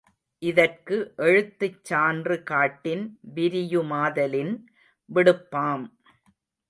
இதற்கு எழுத்துச் சான்று காட்டின் விரியு மாதலின் விடுப்பாம்.